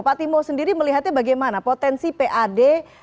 pak timo sendiri melihatnya bagaimana potensi pad